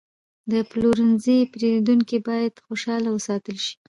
د پلورنځي پیرودونکي باید خوشحاله وساتل شي.